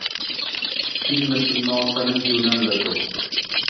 Hin noosanoosa na hiwung na ludu.